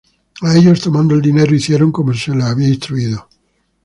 Y ellos, tomando el dinero, hicieron como se les había instruido.